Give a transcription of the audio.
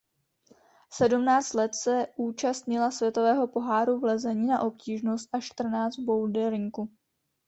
Sedmnáct let se účastnila světového poháru v lezení na obtížnost a čtrnáct v boulderingu.